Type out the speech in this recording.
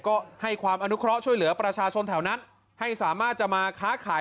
ก็ให้ความอนุเคราะห์ช่วยเหลือประชาชนแถวนั้นให้สามารถจะมาค้าขาย